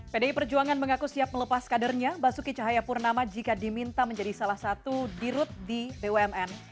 pdi perjuangan mengaku siap melepas kadernya basuki cahayapurnama jika diminta menjadi salah satu dirut di bumn